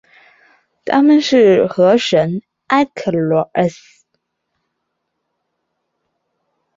她们是河神埃克罗厄斯。